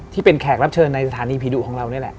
ที่เป็นแขกรับเชิญในสถานีพิดุของเรานี่แหละ